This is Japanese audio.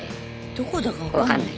どこだか分かんない。